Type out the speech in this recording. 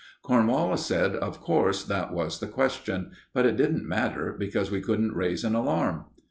Cornwallis said of course that was the question; but it didn't matter, because we couldn't raise an alarm.